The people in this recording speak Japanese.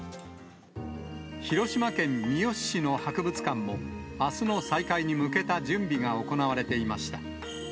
広島県三次市の博物館も、あすの再開に向けた準備が行われていました。